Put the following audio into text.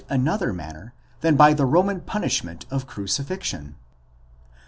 another manner than by the Roman punishment of crucifixion?